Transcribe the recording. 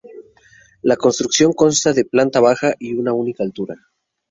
La construcción consta de planta baja y una única altura.